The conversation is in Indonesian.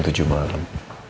udah jam tujuh malam